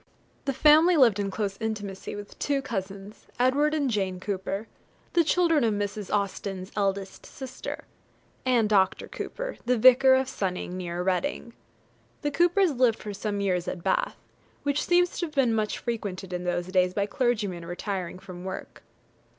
The family lived in close intimacy with two cousins, Edward and Jane Cooper, the children of Mrs. Austen's eldest sister, and Dr. Cooper, the vicar of Sonning, near Reading. The Coopers lived for some years at Bath, which seems to have been much frequented in those days by clergymen retiring from work.